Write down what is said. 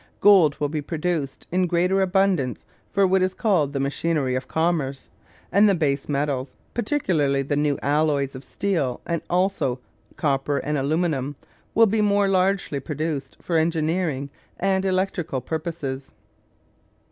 Gold will be produced in greater abundance for what is called the machinery of commerce; and the base metals, particularly the new alloys of steel and also copper and aluminium, will be more largely produced for engineering and electrical purposes.